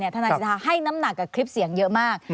ทนายสิทธาให้น้ำหนักกับคลิปเสียงเยอะมาก